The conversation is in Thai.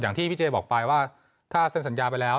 ที่พี่เจบอกไปว่าถ้าเซ็นสัญญาไปแล้ว